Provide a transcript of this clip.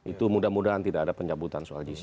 itu mudah mudahan tidak ada pencabutan soal gc